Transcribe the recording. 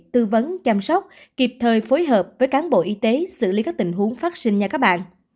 tư vấn chăm sóc kịp thời phối hợp với cán bộ y tế xử lý các tình huống phát sinh ra các bạn